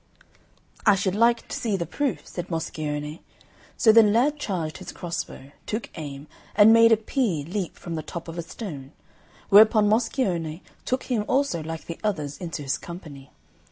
"I should like to see the proof," said Moscione. So the lad charged his crossbow, took aim, and made a pea leap from the top of a stone; whereupon Moscione took him also like the others into his company.